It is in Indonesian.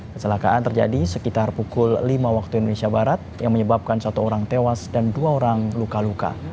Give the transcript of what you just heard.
kecelakaan terjadi sekitar pukul lima waktu indonesia barat yang menyebabkan satu orang tewas dan dua orang luka luka